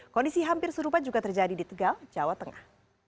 kondisi hampir serupa juga terjadi di tegal jawa tengah